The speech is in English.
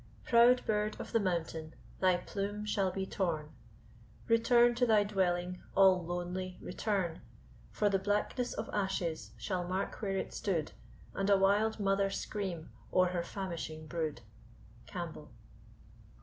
Proud bird of the mountain, thy plume shall be torn! .... Return to thy dwelling; all lonely, return; For the blackness of ashes shall mark where it stood, And a wild mother scream o'er her famishing brood. CAMPBELL.